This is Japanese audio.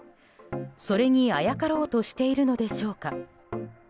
それに、あやかろうとしているのでしょうか。